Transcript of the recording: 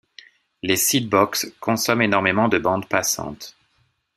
Les seedbox consomment énormément de bande passante.